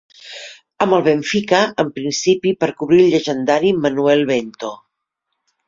Amb el Benfica, en principi per cobrir el llegendari Manuel Bento.